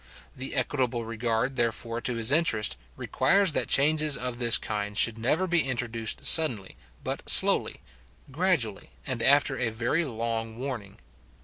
The equitable regard, therefore, to his interest, requires that changes of this kind should never be introduced suddenly, but slowly, gradually, and after a very long warning.